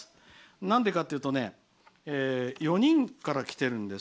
なんでかというと４人からきてるんです。